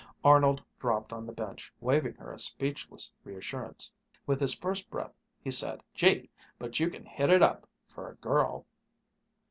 Arnold dropped on the bench, waving her a speechless reassurance. With his first breath he said, "Gee! but you can hit it up, for a girl!"